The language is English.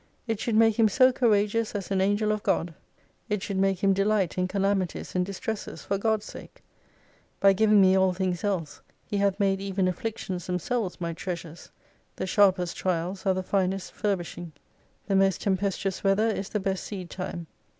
It should make him so courageous as an angel of God. It should make him delight in calamities and distresses for God's sake. By giving me all things else, He hath made even afflictions themselves my treasures. The sharpest trials, are the finest furbishing. The most tempestuous weather is the best seed time.